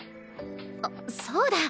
あっそうだ。